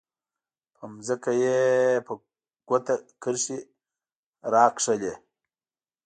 په ځمکه یې په ګوته کرښې راښکلې.